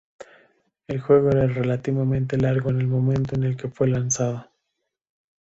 El juego era relativamente largo en el momento en que fue lanzado.